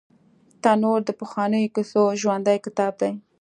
تنور د پخوانیو کیسو ژوندي کتاب دی